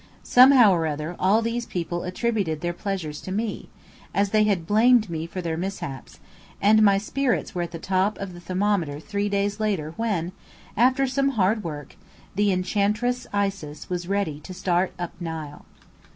Somehow or other, all these people attributed their pleasures to me, as they had blamed me for their mishaps; and my spirits were at the top of the thermometer three days later when, after some hard work, the Enchantress Isis was ready to start "up Nile."